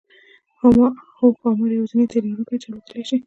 هو ښامار یوازینی تی لرونکی دی چې الوتلی شي